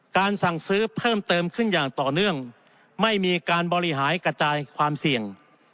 สั่งซื้อเพิ่มเติมขึ้นอย่างต่อเนื่องไม่มีการบริหารกระจายความเสี่ยง